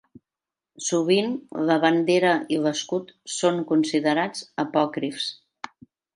Sovint la bandera i l'escut són considerats apòcrifs.